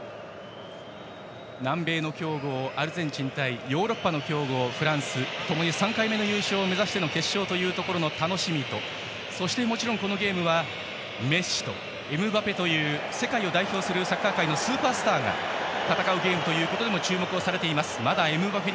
南米の強豪アルゼンチン対ヨーロッパの強豪フランスともに３回目の優勝を目指しての決勝というところの楽しみとそして、もちろんこのゲームはメッシとエムバペという世界を代表するサッカー界のスーパースターが戦うゲームということでも注目されています。